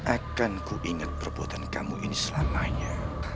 akan ku ingat perbuatan kamu ini selamanya